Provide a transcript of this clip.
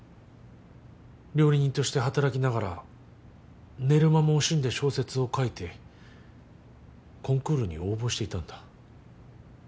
料理人として働きながら寝る間も惜しんで小説を書いてコンクールに応募していたんだ。